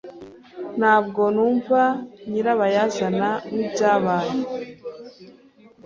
Ntabwo numva nyirabayazana y'ibyabaye.